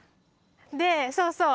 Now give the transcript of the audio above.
でそうそう。